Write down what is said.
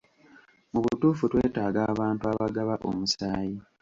Mu butuufu twetaaga abantu abagaba omusaayi.